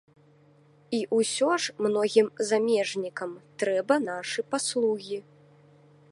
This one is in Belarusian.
І ўсё ж многім замежнікам трэба нашы паслугі.